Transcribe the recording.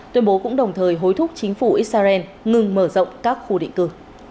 tuyên bố cũng đồng thời hối thúc chính phủ israel ngừng mở rộng các khu định cư